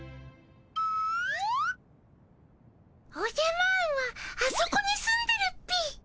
おじゃマーンはあそこに住んでるっピ。